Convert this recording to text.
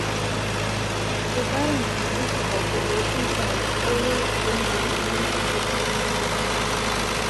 The garden and its cultivation have always been the woman's department.